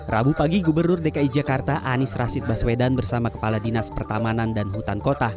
rabu pagi gubernur dki jakarta anies rashid baswedan bersama kepala dinas pertamanan dan hutan kota